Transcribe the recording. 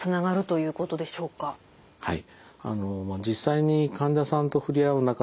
はい。